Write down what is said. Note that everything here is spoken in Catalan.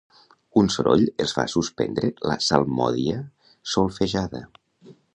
Un soroll els fa suspendre la salmòdia solfejada.